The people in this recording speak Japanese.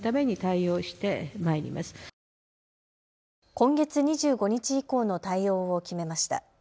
今月２５日以降の対応を決めました。